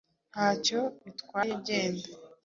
Nta cyo bitwaye, genda